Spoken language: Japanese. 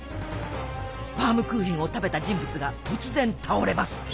バームクーヘンを食べた人物が突然倒れます。